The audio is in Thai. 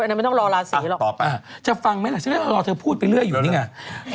ฉันไม่ต้องรอราศีหรอกครับอ๋อตอบไปจะฟังไหมละรอเธอพูดไปเรื่อยอยู่นี่ไง